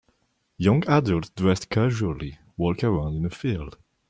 Young adults dressed casually walk around in a field.